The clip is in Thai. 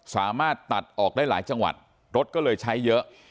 สามารถตัดออกได้หลายจังหวัดรถก็เลยใช้เยอะ